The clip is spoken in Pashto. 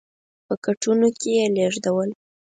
په کټونو کې یې لېږدول.